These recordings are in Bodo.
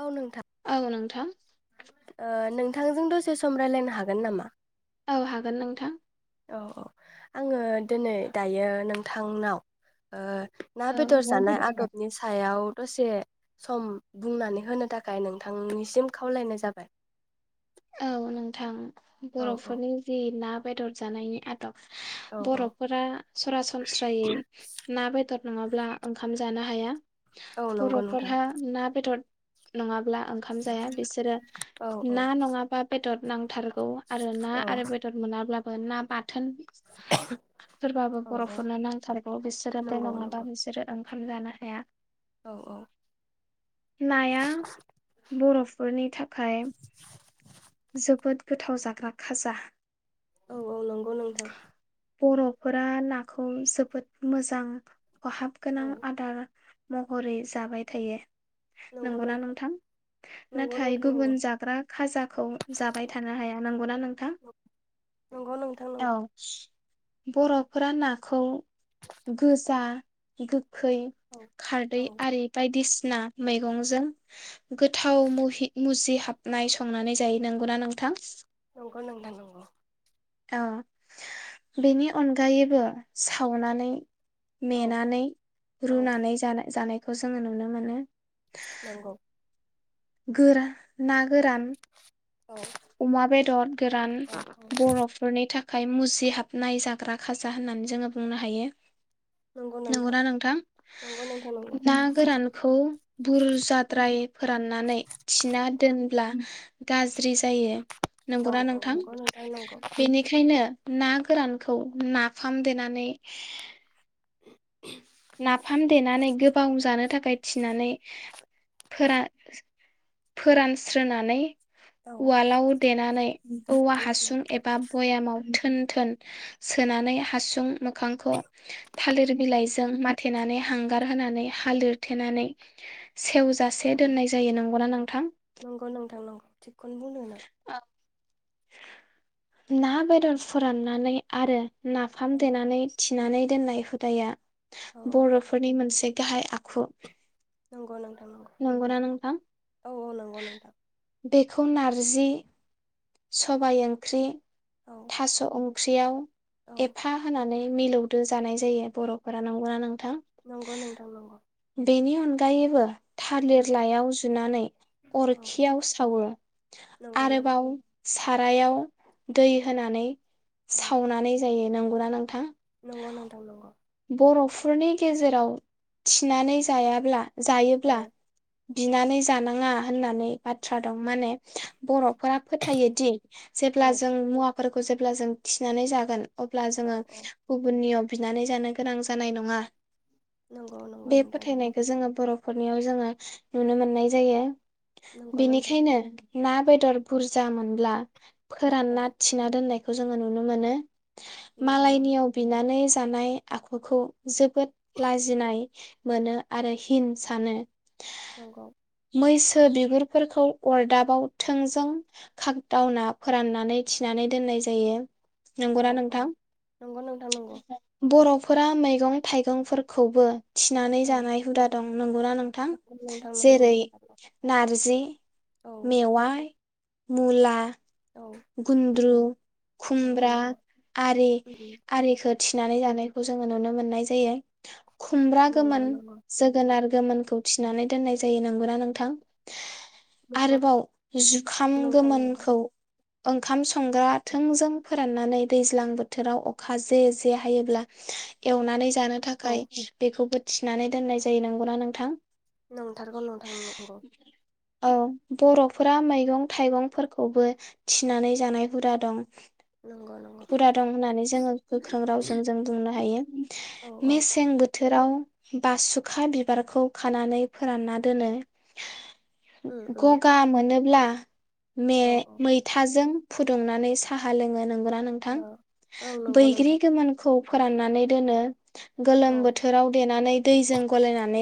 औ नोंथां औ नोंथां ओ नोंथांजों दसे सम राय्लायनो हागोन नामा? औ हागोन नोंथां। औ- औ आङो दिनै दायो नोंथांनाव ना औ बेदर जानाय आदबनि सायाव दसे सम बुंनानै होनो थाखाय नोंथांनिसिम खावलायनाय जाबाय। औ नोंथां। औ औ। बर'फोरनि जि ना बेदर जानायनि औ औ। बर'फोरा सरासनस्रायै ना बेदर--' नङाब्ला ओंखाम जानो हाया औ नंगौ नोंथां बर'फोरहा ना बेदर नङाब्ला ओंखाम जाया बिसोरो औ औ ना नङा बेदर नांथारग गौ आरो ना औ आरो बेदर मोनाब्ला ना बाथोन फोरबाबो औ औ बर'फोरनो नांथारगौ बिसोरो बे नंगौ नङाब्ला नंगौ बिसोरो ओंखाम जानो हाया औ नाया बर'फोरनि थाखाय जोबोद गोथाव जाग्रा खाजा औ औ नंगौ नोंथां। बर'फोरा नाखौ जोबोद मोजां खहाब गोनां औ आदार। महरै जाबाय थायो। नंगौना नोंथां? नंगौ नाथाय नोंथां नंगौ गुबुन जाग्रा खाजाखौ जाबाय थानो हाया नांगौना नोंथां नंगौ नोंथां नंगौ औ बर'फोरा नाखौ गोजा गो यै औ खारदै औ आरि बायदिसि ना मैगंजों गोथाव मुहि-मुजि हाब नायसंनानै जायो नंगौना नोंथां नंगौ नोथां नंगौ औ बेनि अनगायै बो सावनानै औ मेनानै औ रुनानै जा-जानाय खौ जोंङो नुनो मोनो। नंगौ गोरा ना गोरान औ। अमा बेदर गोरान औ औ बर'फोरनि था खाय मुजिहाबनाय जाग्रा खाजा होननानै जोंङो बुंनो हायो। नंगौना नोंथां नंगौ नोंथां नंगौ ना गोरानखौ बुर जाद्राय फोरान नै थिना दोनब्ला गा ज्रि जायो औ नंगौना औ नोंथां नंगौ नंगौ बेनिखायनो ना गोरानखौ नाफाम देनानै नाफाम देनानै गोबाव जानो थाखाय थिनानै फोरा-फोरानस्रोनानै औ उवालाव देनानै औवा हासुं एबा भयामाव थोन-थोन सोनानै हासुं मोखांखौ थालिर बिलाइ जों माथेनानै हांगार होनानै हालिरथेनानै सेवजासे औ दोननाय जायो नंगौना नों थां नंगौ नोंथां नंगौ थिग खौनो बुंदों नों ना बेदर फोराननानै आरो नाफाम औ देनानै थि थिनानै दोननाय हुदाया औ बर'फोरनि मोनसे गाहाय आखु नंगौ नंथां नंगौ नंगौना नोंथां? औ औ नंगौ नोंथां बेखौ नारजि सबाय ओंख्रि औ थास' अ फुख्रियाव औ एफा होनानै मिलौदो जानाय जायो बर'फोरा नंगौना नों नंगौ नोंथां नंगौ गायोबो थालिर लायाव जुनानै औ अरखियाव सावो नंगौ नोंथां आरोबाव सारायाव दै होनानै औ सावनानै जायो नांगौ गना नोंथां नंगौ नोंथां नंगौ बर'फोरनि गेजेराव थिनानै जायाब्ला औ जायोब्ला बिनानै जानाङा होननानै बाथ्रा दं माने बरफ रा फोथायो दि औ जेब्ला जों मुवाखौ फोरखौ जेब्ला जों थिनानै जागोन अब्ला औ जोङो औ गुबुननियाव बिनानै जानांगोन गोनां जानाय नङा नंगौ नंगौ बे नोंथां नंगौ फोथायनायखौ जोङो बर' नखरनियाव जोङो नुनो मोननाय जायो नंगौ नोंथां बेनिखायनो ना बेदर बुरजा मोनब्ला औ फोरानना थिना दोननायखौ बेखौ जोङो नुनो मोनो। नंगौ नंगौ मालायनियाव बिनानै जानाय आखुखौ जोबोद लाजिनाय मोनो आरो हिन सानो नंगौ। मैसो बिगुरफोरखौ अरदाबाव थोंजों खागदावना फोराननानै थिनानै दोननाय जायो। नोंगौ औ ना औ नोंथां नंगौ नोंथां नंगौ बर' फोरा मैगं थाइगंफोरखौबो थिनानै औ जानाय हुदा दं नंगौना नोंथां? नंगौ नोंथां नंगौ जेरै नोंथां औ नारजि, औ मेवाय मुला- नोंथां गुन्द्रु नंगौ खुमब्रा नंगौ आरि उम आरिखो थिनानै जानायखौ जोङो नुनो मोननाय जायो। खुमब्रा नंगौ गोमोन नंगौ जोगोनार गोमोनखौ थिनानै दोननाय जायो नंगौ ना नोंथां? नंगौ आरोबाव जुखाम नोंथां नंगौ गोमोनखौ ओंखाम संग्रा थोंजों फोराननानै दैज्लां बोथोराव अखा जे जे हायोब्ला एवनानै जानो औ थाखाय बेखौबो थिनानै दोननाय जायो नंगौना नोंथां? नंथारगौ नोंथां नंगौ। औ बर'फोरा मैगं थाइगंफोरखौबो थिनानै जानाय हुदा दं। नंगौ नंगौ फुरा दं होननानै जोङो गोख्रों रावजों जों बुंनो हायो औ औ मेसें बोथ थोराव बासुखा बिबारखौ खानानै फोरानना दोनो। उम उम गगा मोनोब्ला [unintelligible] मे औ मै जों फुदुंनानै साहा लोङो नोंगौना? नोंथां औ औ नंगौ बैग्रि नोंथां गोमोनखौ फोराननानै दोनो। औ गोलोम बोथोराव देनानै दैजों गलायनानै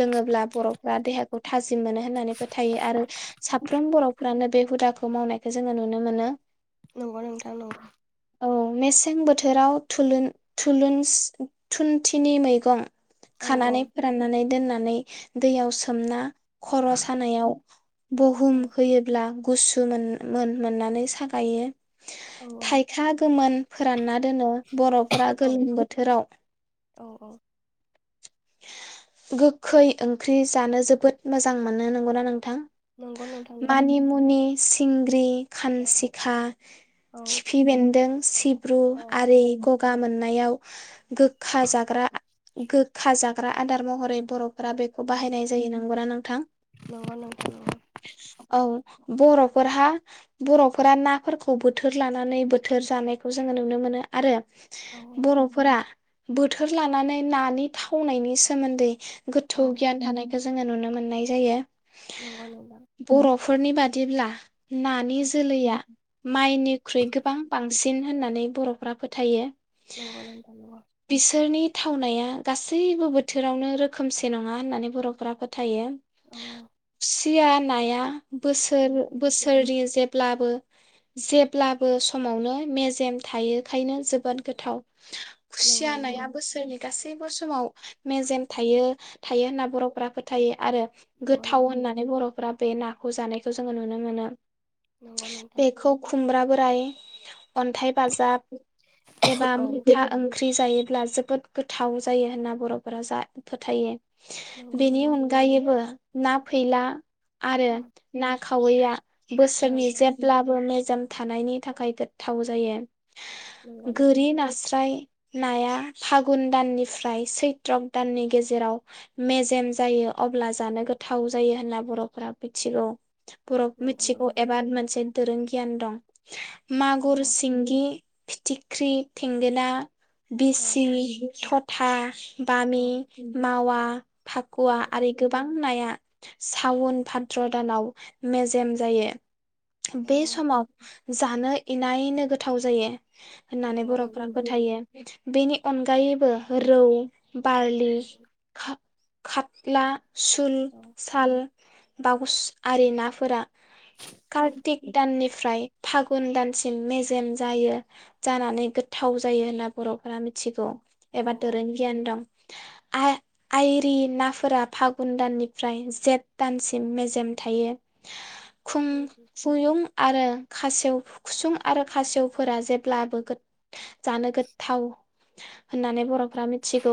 लोङोब्ला बर'फ्रा देहाखौ थाजिम मोनो होननानै फोथायो आरो साफ्रोम बर'फ्रानो बे हुदाखौ खम मावनाय [unintelligible] [inaudible] बेखौ जोङो नुनो मोनो। नंगौ नोंथां नंगौ। औ मेसें बोथोराव थुुनथिनि मैगं औ औ खानानै फोराननानै दोननानै दैयाव सोमना खर' सानायाव औ बुहुम होयोब्ला गुसुमोन। मोन मोननानै सागायो। औ थाइखा गोमोन फोरानना दोनो बर'फोरा औ गोलोम बोथोराव। औ औ गोखै ओंख्रि जानो जोबोद मोजां मोनो नंगौना नों थां नंगौ नोंथां नंगौ मानि मुनि इग्रि खानसिखा। औ खिफि बेन्दों। सिप रु औ औ आरि गगा मोन नायाव गोखा जाग्रा गोखा जाग्रा आदार महरै बर' फोरा बेखौ औ बाहायनाय जायो नंगौ ना नों? नोंथां। नंगौ नोंथां नंगौ औ बर' फोरहा बर'फोरा नाफोरखौ बोथोर लानानै बोथोर जानायखौ जोङो नुनो मोनो आरो औ बर'फोरा बोथोर लानानै नानि थावनायनि सोमोन्दै औ गोथौ गियान थानायखौ जो जोङो नुनो मोननाय जायो। नंगौ नोंथां। फोरनि बादिब्ला नानि जोलैया माइनिख्रुइ गोबां बांसिन होननानै बर'फ्रा फोथायो। नंगौ नोंथां नंगौ। बिसोरनि थावनाया गासैबो बोथोरावनो रोखोमसे नङा होननानै बर'फोरा फोथायो। औ सिया नाया बोसोर उम बोसोरि जेद ब्लाबो जेब्लाबो समावनो मेजेम थायोखायनो जोबोद गोथाव। नंगौ खुसिया नंगौ नाया बोसोरि गासैबो समाव मेजेम थायो थायो होनना बर'फोरा फो थायो आरो नंगौ नंगौ गोथाव होननानै बर'फोरा बे नाखौ जानायखौ जोङो नुदों नुनो मोनो नंगौ नोंथां बेखौ खुमब्राबो फ्राय अन्थाइ बाजाब एबा औ मैथा ओंख्रि ओंख्रि जायोब्ला जोबोद गोथाव जायो होनना बर'फोरा जा फोथायो नंगौ बेनि नंगौ अनगायैबो ना फैला आरो औ ना खावैया बोसोरनि नंगौ जेब्लाबो मे जेम थानायनि थाखाय गोथाव जायो। नंगौ गोरि नास्रा य नाया फागुन दाननिफ्राय सैत्रक दाननि गेजेराव मेजेम जायो अब्ला जानो गोथाव जायो होनना बर'फोरा मिथिगौ। बर' नंगौ नंगौ मिथिगौ एबा मोनसे दोरों गियान दं। औ मागुर सिंगि फिथिख्रि थेंगोना बेसिरि थथ था। औ बामि मावा फाखुवा आरो गोबां नाया सावन भाद्र दानाव मेजेम जायो। औ बे समाव जानो इनायनो गोथाव जायो। होननानै नंगौ बर'फ्रा नोंथां नंगौ फोथायो। बेनि अनगायैबो रौ बारलि खत्ला सुल औ साल बागुस आरि ना'फोरा कार्टिक दाननि फ्राय फागुन दानसिम मेजेम जायो जानानै गोथाव जायो होनना बर'फोरा मिथिगौ। औ एबा दोरों गियान दं। आइ आइरि नाफोरा फागुन दाननिफ्राय जेठ दानसिम मेजेम थायो। खुं खुयूं आरो खासेव खुसुं आरो खासेवफोरा जेब्लाबो गोद जानो गोथाव। होननानै बर' फोरा मिथिगौ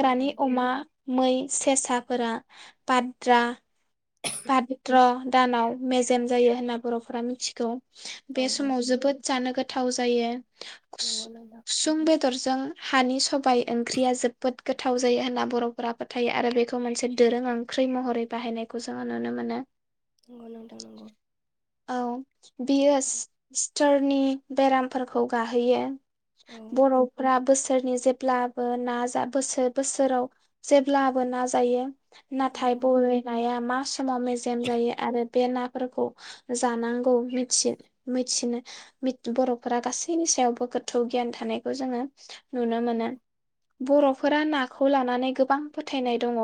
औ औ अमा मै सेसाफोरा पाद्रा फाद्र' दानाव मेजेम जायो होनना बर'फोरा मिथिगौ। बे समाव जोबोद जानो गोथाव जायो। नंगौ नोंथां खुसुं बेदरजों हानि सबाय ओंख्रिया जोबोद गोथाव जायो होनना बर'फोरा फोथायो आरो बेखौ मोनसे दोरों ओंख्रि महरै बाहायनायखौ जोङो नुनो मोनो। नंगौ नोंथां नंगौ औ बेयो क्टरनि बेरामफोरखौ गाहोयो। औ बर'फोरा बोसोर सोरनि जेब्लाबो ना बोसोर बोसोराव जेब्लाबो ना जायो। औ नाथाय बयला एया मास समाव मेजेम जायो आरो बे नाफोरखौ जानांगौ मिथि-मिथिनो बर'फोरा गासैनि सायावबो गोथौ गियान थानायखौ जोङो नुनो मोनो। औ बर'फोरा नाखौ लानानै गोबां औ फोथायनाय दङ।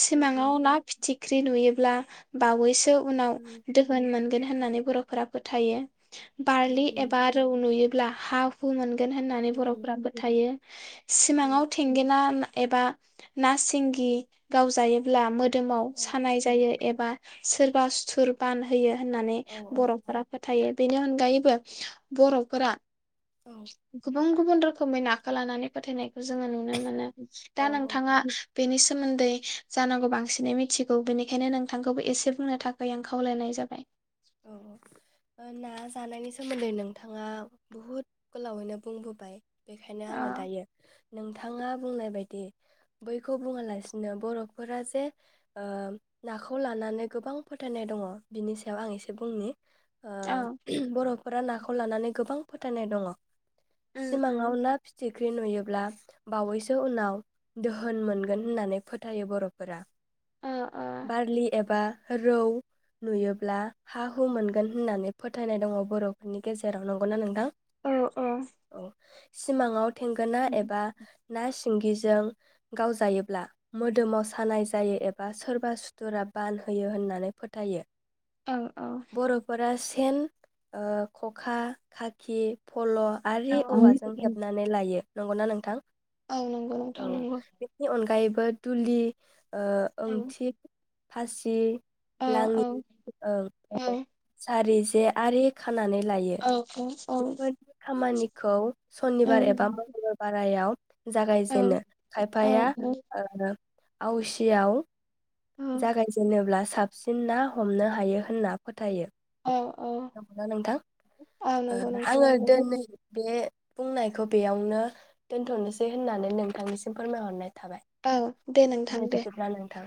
सिमाङाव ना फिथिख्रि नुयोब्ला बावैसो उनाव दोहोन मोन गोन होननानै बरफोरा फोथायो। बारलि एबा रौ नुयो ब्ला हा हु मोन गोन होननानै बरफोराबो थायो। सिमाङाव थेंगोना ना एबा ना सिंगि गावजायोब्ला मोदोमाव सानाय जायो एबा सोरबा सुथुर बानहोयो होननानै बरफोरा फोथायो बेनि अनगायैबो बर'फोरा गोबां। गुबुन रोखोमै नाखौ लानानै फोथायनाय। जोङो नुनो मोनो दा औ नोंथाङा। बेनि सोमोन्दै जानांगौ बांसिनै मिथिगौ बेनिखायनो नोंथांखौबो एसे बुंनो थाखाय आं खावलायनाय जाबाय। औ ना जानायनि सोमोन्दै नोंथाङा बुहुद गोलावैनो बुंबोबाय। बेखायनो आंङो अ दायो। नोंथाङा बुंनाय बायदि बैखौ बुङालासिनो बर'फोरा जे नाखौ लानानै गोबां फोथायनाय दङ बिनि सायाव आं एसे। एसे बुंनि। ओ औ बर'फोरा नाखौ लानानै गोबां। फोथायनाय दङ। उम उम सिमाङाव ना फिथि। ख्रि नुयोब्ला बावैसो उनाव दोहोन मोनगोन होननानै फोथायो बर'फोरा। ओ ओ बारलि एबा। रौ नुयोब्ला। हा हु मोनगोन होननानै फोथायनाय दङ बर'फोरनि गेजेराव नंगौना नोंथां। औ औ। सिमाङाव। थेंगोना एबा ना सि सिंगिजों गावजायोब्ला मोदोमाव सानाय जायो एबा सोरबा सुथुरा बान होयो होननानै फोथायो। औ बर'फोरा सि सेन ओ खखा खाखि। फल औ आरि औवाजों हेबनानै लायो। नंगौना नोंथां। औ नंगौ नोंथां औ नंगौ बेनि अनगायैबो। ओ दुलि ओ औ ओंथि फासि औ औ औ सारिसे आरि खा खानानै लायो औ बेफोर खामानि खौ औ सनिबार एबा मंगलबार बारायाव जागायजेनो खायफाया ओ आवसिआव साबसिन ना हमनो हायो होनना फोथायो औ औ खोनादों ना नोंथां नंगौ नोंथां आङो नंगौ दिनै बे बुंनायखौ बेयावनो दोनथनोसै होननानै नोंथांनिसिम फोरमायहरनाय थाबाय दे बिदिब्ला नोंथां